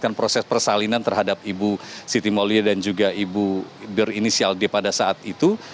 dan proses persalinan terhadap ibu siti moli dan juga ibu bir inisial pada saat itu